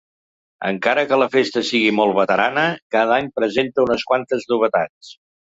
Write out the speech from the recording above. Encara que la festa sigui molt veterana, cada any presenta unes quantes novetats.